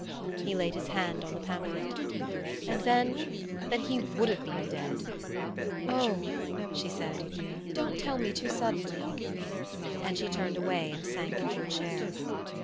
He laid his hand on the pamphlet. "And then then he would have been dead!" "Oh," she said, "don't tell me too suddenly!" And she turned away and sank into a chair.